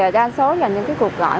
đa số là những cuộc gọi